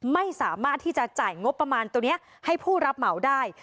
ไม่สามารถที่จะจ่ายงบประมาณตัวนี้ให้ผู้รับเหมาได้